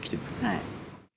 はい。